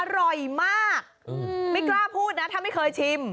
อร่อยมากไม่กล้าพูดนะถ้าไม่เคยชิม